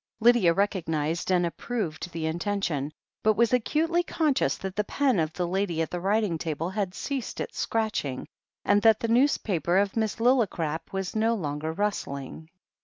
Lydia recognized and approved the intention, but was acutely conscious that the pen of the lady at the writing table had ceased its scratching, and that the newspaper of Miss Lillicrap was no longer rustling.